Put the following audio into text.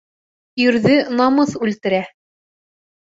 Ирҙе намыҫ үлтерә.